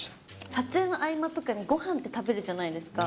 撮影の合間とかに、ごはんとか食べるじゃないですか。